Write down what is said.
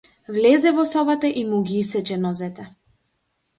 Влезе во собата и му ги исече нозете.